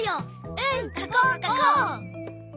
うんかこうかこう！